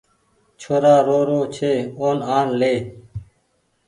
ڇورآن رو رو ڇي اون آن لي